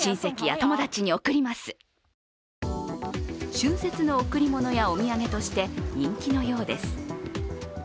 春節の贈り物やお土産として人気のようです。